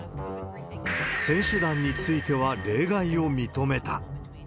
選手団については例外を認めた。